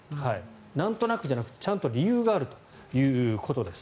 なんとなくじゃなくてちゃんと理由があるということです。